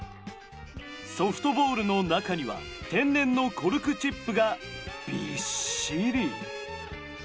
ソフトボールの中には天然のコルクチップがびっしり。